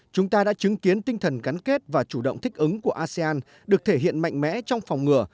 chúng ta đã chứng kiến tinh thần cắn kết và chủ động thích ứng của asean được thể hiện mạnh mẽ trong phòng ngừa